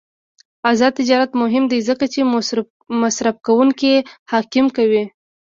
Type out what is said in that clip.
آزاد تجارت مهم دی ځکه چې مصرفکونکي حاکم کوي.